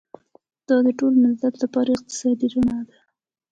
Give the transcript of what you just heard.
دا د ټول ملت لپاره اقتصادي رڼا ده.